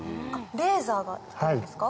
レーザーが出るんですか？